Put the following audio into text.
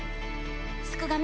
すくがミ